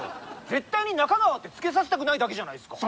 絶対に「ナカガワ」って付けさせたくないだけじゃないですか。